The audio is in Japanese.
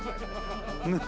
ねえ。